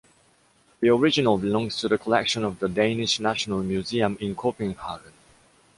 The original belongs to the collection of the Danish National Museum in Copenhagen.